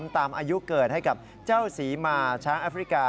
ตามอายุเกิดให้กับเจ้าศรีมาช้างแอฟริกา